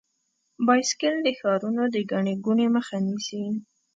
بایسکل د ښارونو د ګڼې ګوڼې مخه نیسي.